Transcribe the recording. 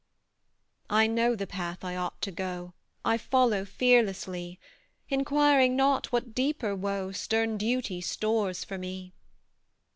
I know the path I ought to go I follow fearlessly, Inquiring not what deeper woe Stern duty stores for me.